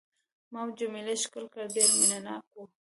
ما او جميله ښکل کړل، ډېر مینه ناک وو.